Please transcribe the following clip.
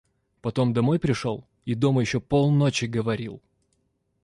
Потом домой пришел и дома еще полночи говорил!